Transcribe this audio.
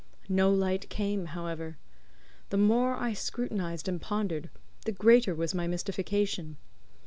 No light came, however. The more I scrutinized and pondered, the greater was my mystification.